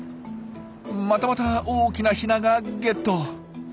またまた大きなヒナがゲット。